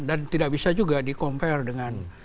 dan tidak bisa juga di compare dengan